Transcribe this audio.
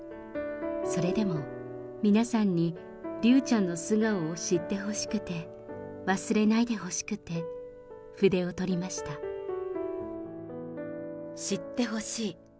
それでも皆さんに、竜ちゃんの素顔を知ってほしくて、忘れないでほしくて、知ってほしい。